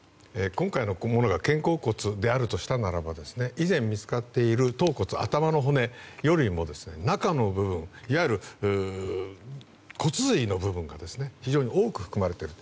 今回のものが肩甲骨であるとするならば以前、見つかっている頭骨よりも中の部分、いわゆる骨髄の部分が非常に多く含まれている。